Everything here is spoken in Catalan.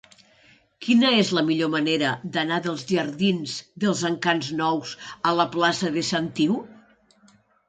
Quina és la millor manera d'anar dels jardins dels Encants Nous a la plaça de Sant Iu?